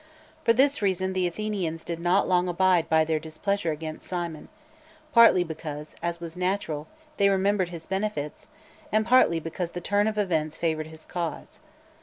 For. this reason the Athenians did not long abide by their displeasure against Cimon, partly because, as was natural, they remembered his benefits, and partly because the turn of events favoured his cause.